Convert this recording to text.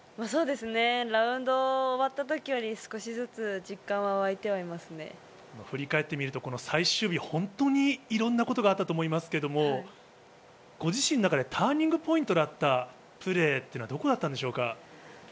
ラウンド終わった時より振り返ってみると最終日、本当にいろんなことがあったと思いますが、ご自身の中でターニングポイントだったプレーはどこだったんでしょうか？